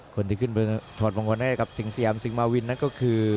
คนที่ขึ้นไปถอดมงคลให้กับสิงสยามสิงหมาวินนั้นก็คือ